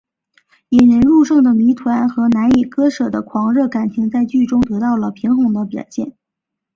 引人入胜的谜团和难以割舍的狂热情感在剧中得到了平衡的展现。